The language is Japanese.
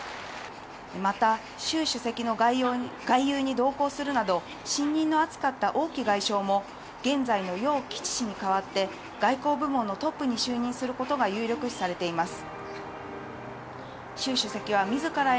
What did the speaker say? またシュウ主席の外遊に同行するなど信任の厚かったオウ・キ外相も現在のヨウ・ケツチ氏に代わって外交部門のトップに就任することが有力視されています。